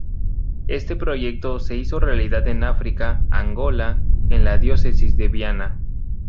Este proyecto se hizo realidad en África, Angola, en la Diócesis de Viana.